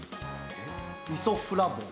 イソフラボン？